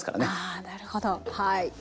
あなるほどはい。